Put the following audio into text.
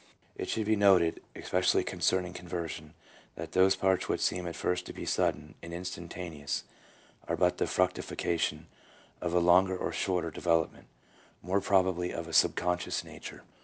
It should be noted, especially concerning conversion, that those parts which seem at first to be sudden and instantaneous are but the fructification of a longer or shorter de velopment, more probably of a sub conscious nature.